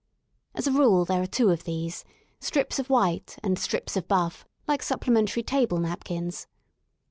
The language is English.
As a rule there are two of these, strips of white, and strips of buff, like supplementary table napkins.